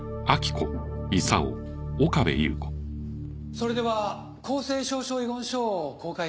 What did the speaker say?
それでは公正証書遺言書を公開致します。